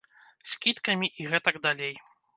Скідкамі і гэтак далей.